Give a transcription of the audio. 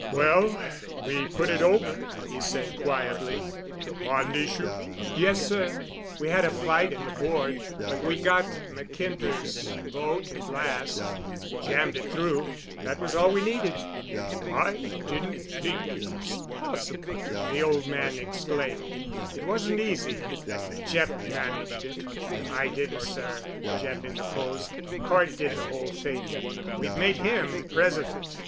"Well, we put it over," he said quietly. "The bond issue?" "Yes, sir—we had a fight in the board, but we got McIntyre's vote at last and jammed it through—that was all we needed." "I didn't think it was possible," the old man exclaimed. "It wasn't easy, but Jeff managed it." "I didn't sir," Jeff interposed. "Cort did the whole thing. We've made him president.